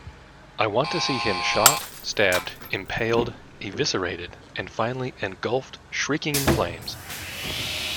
I want to see him shot, stabbed, impaled, eviscerated, and finally engulfed-shrieking-in flames.